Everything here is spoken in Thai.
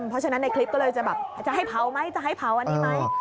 เพราะฉะนั้นในคลิปก็เลยจะแบบจะให้เผาไหมจะให้เผาอันนี้ไหม